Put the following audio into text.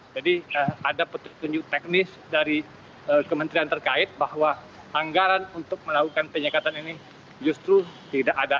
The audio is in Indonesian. jadi ada petunjuk teknis dari kementerian terkait bahwa anggaran untuk melakukan penyekatan ini justru tidak ada